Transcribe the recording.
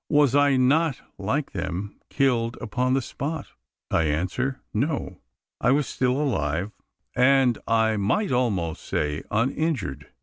Was I not, like them, killed upon the spot! I answer, no. I was still alive; and I might almost say uninjured.